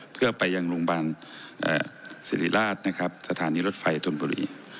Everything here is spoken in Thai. เพื่อไปยังโรงพยาบาลสิริราชนะครับสถานีรถไฟธนบุรี